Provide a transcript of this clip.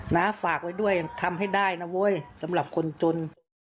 นะฝากไว้ด้วยทำให้ได้นะเว้ยสำหรับคนจน